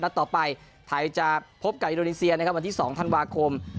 ต่อไปไทยจะพบกับอินโดนีเซียนะครับวันที่๒ธันวาคม